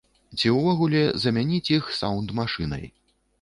Ці ўвогуле замяніць іх саўнд-машынай.